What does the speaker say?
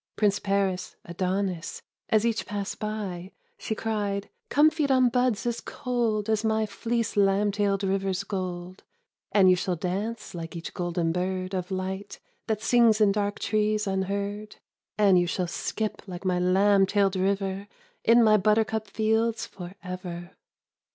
. Prince Paris, Adonis ; as each passed by, She cried, " Come feed on buds as cold As my fleeced lamb tailed river's gold, 105 Fleecing Time. And you shall dance like each golden bird Of light that sings in dark trees unheard. And you shall skip like my lamb tailed river. In my buttercup fields for ever."